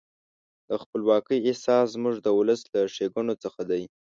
د خپلواکۍ احساس زموږ د ولس له ښېګڼو څخه دی.